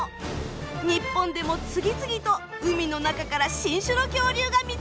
日本でも次々と海の中から新種の恐竜が見つかっています。